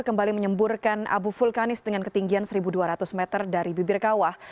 kembali menyemburkan abu vulkanis dengan ketinggian seribu dua ratus meter dari bibirkawah